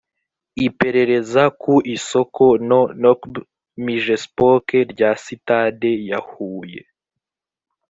iperereza ku isoko no nocb mijespoc rya sitade ya huye